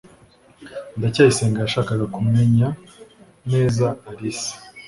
ndacyayisenga yashakaga kumenya neza alice